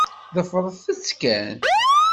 Ḍefṛet-t kan.